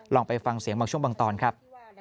ลองไปฟังเสียงบางช่วงบางตอนครับ